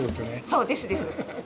そう。ですです。